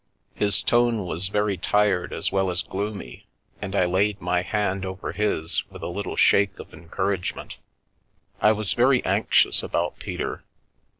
His tone was very tired as well as gloomy, and I laid my hand over his with a little shake of encouragement. I was very anxious about Peter.